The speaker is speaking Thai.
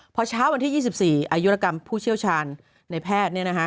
พอเช้าวันที่๒๔อายุรกรรมผู้เชี่ยวชาญในแพทย์